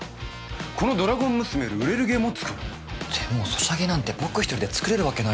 このドラゴン娘より売れるゲームを作るでもソシャゲなんて僕一人で作れるわけないよ